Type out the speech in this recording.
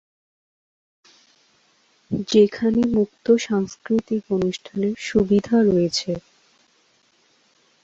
যেখানে মুক্ত সাংস্কৃতিক অনুষ্ঠানের সুবিধা রয়েছে।